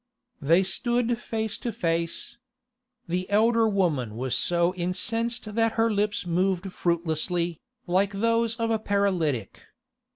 They stood face to face. The elder woman was so incensed that her lips moved fruitlessly, like those of a paralytic.